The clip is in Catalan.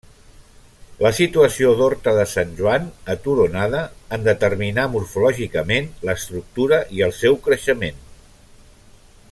La situació d'Horta de Sant Joan, aturonada, en determinà morfològicament l'estructura i el seu creixement.